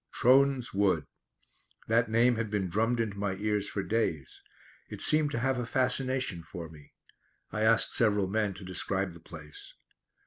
Trones Wood! That name had been drummed into my ears for days. It seemed to have a fascination for me. I asked several men to describe the place.